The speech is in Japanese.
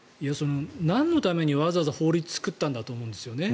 なんのためにわざわざ法律作ったんだと思うんですね。